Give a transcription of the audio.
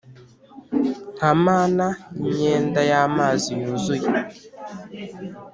nka mana yimyenda y'amazi yuzuye,